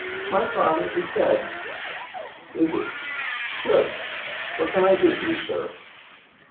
"My father is dead." "Is he? Good! What can I do for you, sir?"